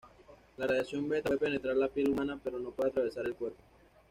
La radiación beta puede penetrar la piel humana pero no puede atravesar el cuerpo.